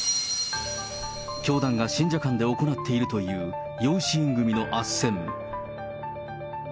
教団が信者間で行っているという、養子縁組のあっせん。